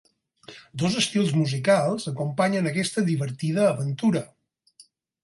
Dos estils musicals acompanyen aquesta divertida aventura.